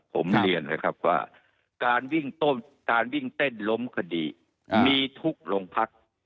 ผมเรียนนะครับว่าการวิ่งเต้นล้มคดีมีทุกรงพัก